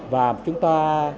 và chúng ta